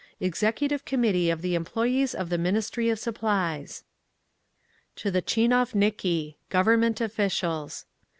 Executive Committee of the Employees of the Ministry of Supplies. To the Tchinovniki (Government Officials).